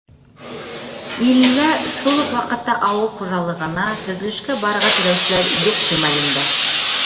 Иллә шул уҡ ваҡытта ауыл хужалығына, төҙөлөшкә барырға теләүселәр юҡ кимәлендә.